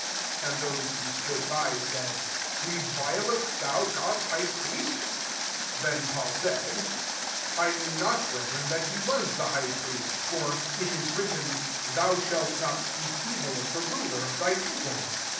4 And those who stood by, said, Re vilest thou God's high priest r' 5 Then Paul said, << I knew not, brethren, that he was the high priest: for it is writtcs, <ThOu shah not speak evil of the ruler of thy people.'